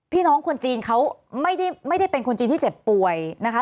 พี่น้องคนจีนเขาไม่ได้เป็นคนจีนที่เจ็บป่วยนะคะ